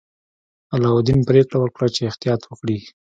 علاوالدین پریکړه وکړه چې احتیاط وکړي.